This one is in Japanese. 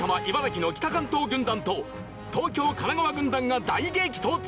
茨城の北関東軍団と東京・神奈川軍団が大激突！